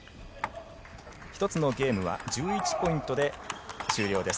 １つのゲームは１１ポイントで終了です。